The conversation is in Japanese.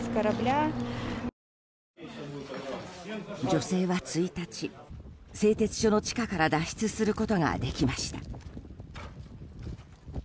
女性は１日、製鉄所の地下から脱出することができました。